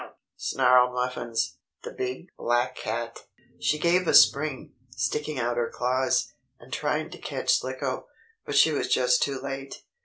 snarled Muffins, the big, black cat. She gave a spring, sticking out her claws, and trying to catch Slicko, but she was just too late.